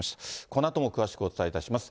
このあとも詳しくお伝えします。